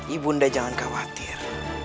ibu nda jangan khawatir